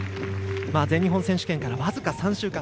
全日本選手権から僅か３週間。